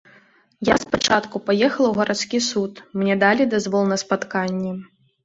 Я спачатку паехала ў гарадскі суд, мне далі дазвол на спатканне.